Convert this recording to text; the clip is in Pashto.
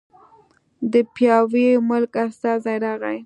د پاياوي ملک استازی راغی